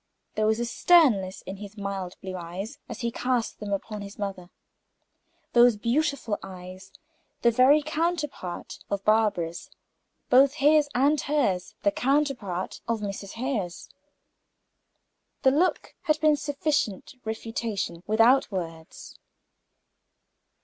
There was a sternness in his mild blue eyes as he cast them upon his mother. Those beautiful eyes the very counterpart of Barbara's, both his and hers the counterpart of Mrs. Hare's. The look had been sufficient refutation without words.